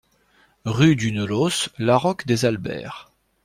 Rue du Neulos, Laroque-des-Albères